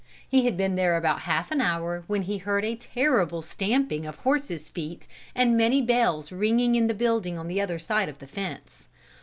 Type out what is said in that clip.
He had been there about half an hour, when he heard a terrible stamping of horses' feet and many bells ringing in the building on the other side of the fence.